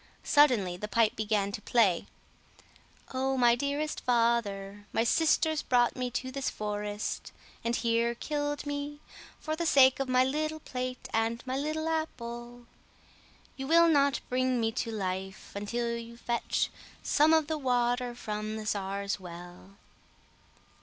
Suddenly the pipe began to play— "Oh, my dearest father; my sisters brought me to this forest, and here killed me for the sake of my little plate and my little apple. You will not bring me to life until you fetch some of the water from the czar's well."